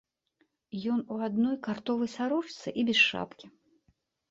Ён у адной картовай сарочцы і без шапкі.